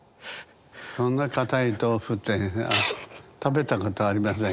そんなかたい豆腐って食べたことありません。